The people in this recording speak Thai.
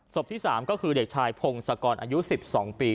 ที่๓ก็คือเด็กชายพงศกรอายุ๑๒ปี